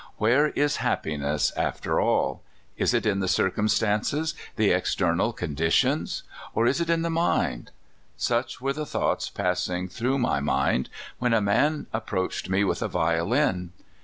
Where is happiness, after all? Is it in the circumstances, the external conditions? or is it in the mind ? Such were the thoughts passing through my mind, when a man approached me with a violin.